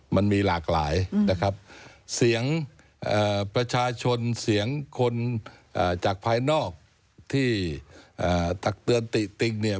มันมีหลากหลายนะครับเสียงประชาชนเสียงคนจากภายนอกที่ตักเตือนติติติงเนี่ย